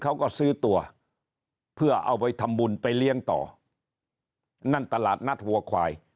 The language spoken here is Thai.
เขาก็ซื้อตัวเพื่อเอาไปทำบุญไปเลี้ยงต่อนั่นตลาดนัดวัวควาย